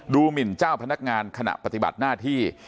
หมินเจ้าพนักงานขณะปฏิบัติหน้าที่